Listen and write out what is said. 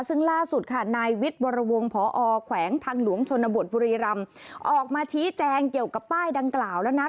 ซึ่งล่าสุดค่ะนายวิทย์วรวงพอแขวงทางหลวงชนบทบุรีรำออกมาชี้แจงเกี่ยวกับป้ายดังกล่าวแล้วนะ